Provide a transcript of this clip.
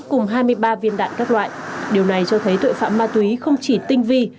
cùng hai mươi ba viên đạn các loại điều này cho thấy tội phạm ma túy không chỉ tinh vi